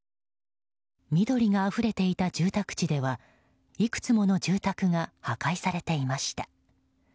緑があふれていた住宅地ではいくつもの住宅が破壊されていました。